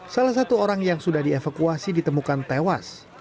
salah satu orang yang sudah dievakuasi ditemukan tewas